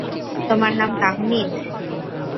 তোমার নাম তাহমিদ?